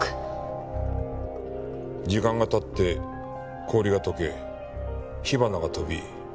時間が経って氷が解け火花が飛び。